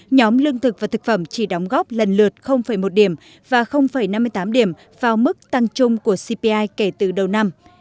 nhóm lương thực và thực phẩm chỉ đóng góp lần lượt một điểm và năm mươi tám điểm vào mức tăng chung của cpi kể từ đầu năm